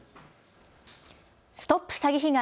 ＳＴＯＰ詐欺被害！